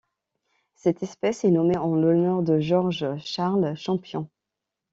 Cette espèce est nommée en l'honneur de George Charles Champion.